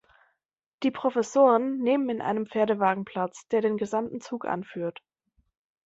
Die Professoren nehmen in einem Pferdewagen Platz, der den gesamten Zug anführt.